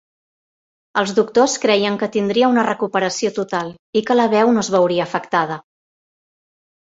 Els doctors creien que tindria una recuperació total i que la veu no es veuria afectada.